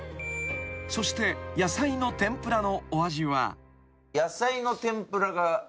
［そして野菜の天ぷらのお味は］